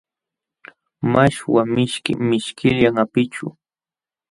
Mashwa mishki mishkillam apićhu.